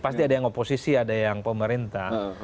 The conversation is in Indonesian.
pasti ada yang oposisi ada yang pemerintah